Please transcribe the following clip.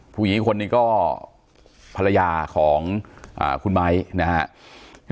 ผู้หญิงคนนี้ก็ภรรยาของคุณไมค์นะฮะ